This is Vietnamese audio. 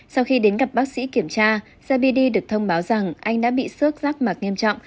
sau khi đến gặp bác sĩ kiểm tra jabidi được thông báo rằng anh đã bị sước sắc mạc nghiêm trọng